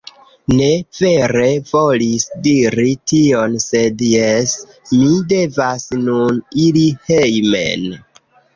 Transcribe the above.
Ne, vere volis diri tion sed jes, mi devas nun iri hejmen